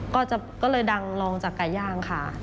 ก็เลยดังลงจากไก่ย่างค่ะ